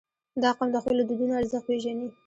• دا قوم د خپلو دودونو ارزښت پېژني.